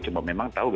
cuma memang tahu